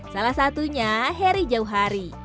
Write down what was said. salah satunya harry jauhari